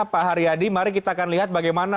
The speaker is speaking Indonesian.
pak haryadi mari kita akan lihat bagaimana